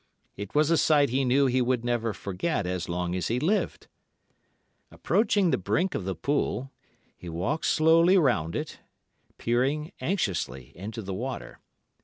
It was a sight he knew he would never forget as long as he lived. "Approaching the brink of the pool, he walked slowly round it, peering anxiously into the water.